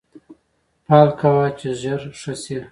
پال کوه چې زر ښه شې